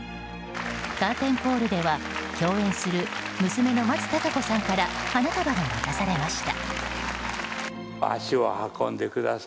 カーテンコールでは共演する娘の松たか子さんから花束が渡されました。